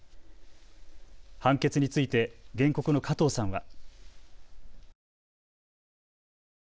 判決について原告の加藤さんは。